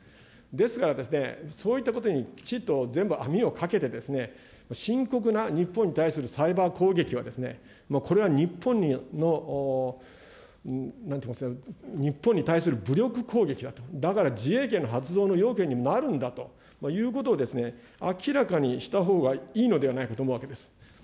ですから、そういったことにきちっと全部網をかけて、深刻な日本に対するサイバー攻撃は、これは日本の、なんと言いますか、日本に対する武力攻撃だと、だから自衛権の発動の要件にもなるんだということを明らかにしたほうがいいのではないかと思うわけです。